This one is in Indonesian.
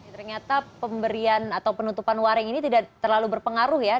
ternyata pemberian atau penutupan waring ini tidak terlalu berpengaruh ya